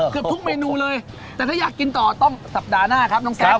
เกือบทุกเมนูเลยแต่ถ้าอยากกินต่อต้องสัปดาห์หน้าครับน้องแซค